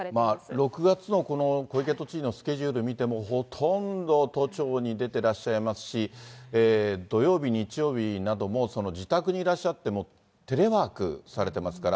６月のこの小池都知事のスケジュールを見ても、ほとんど都庁に出てらっしゃいますし、土曜日、日曜日なども自宅にいらっしゃっても、テレワークされてますから。